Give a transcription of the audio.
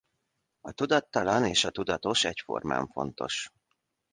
A tudattalan és a tudatos egyformán fontos.